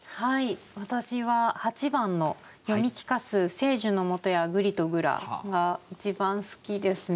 私は８番の「読み聞かす聖樹の下や『ぐりとぐら』」が一番好きですね。